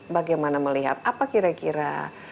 bagaimana melihat apa kira kira